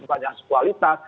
bukan hanya se kualitas